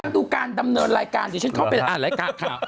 ดูการดำเนินรายการเดี๋ยวฉันเข้าไปอ่านรายการข่าว